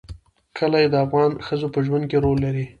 کلي د افغان ښځو په ژوند کې رول لري.